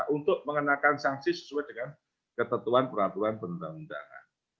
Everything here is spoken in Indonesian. untuk mengenakan sanksi sesuai dengan ketentuan peraturan perundang undangan